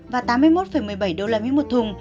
và tám mươi một một mươi bảy usd một thùng